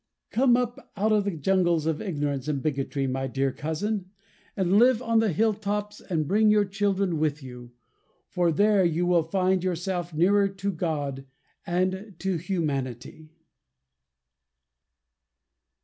Come up out of the jungles of ignorance and bigotry, my dear cousin, and live on the hilltops and bring your children with you. For there you will all find yourself nearer to God and to humanity.